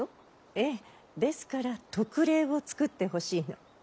ええですから特例を作ってほしいの。は？